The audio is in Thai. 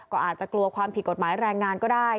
ก็อาจจะกลัวความผิดกฎหมายแรงงานก็ได้